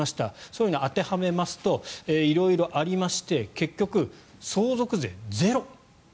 そういうのを当てはめると色々ありまして結局、相続税ゼロ。